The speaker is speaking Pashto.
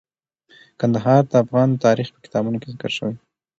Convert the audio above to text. کندهار د افغان تاریخ په کتابونو کې ذکر شوی دي.